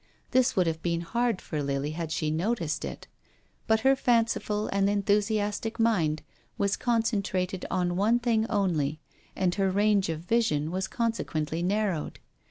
This would have been hard for Lily had she noticed it, but her fanciful and enthusiastic mind was concentrated on one thing only and her range of vision was consequently narrowed.